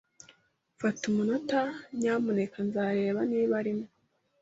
Fata umunota, nyamuneka. Nzareba niba arimo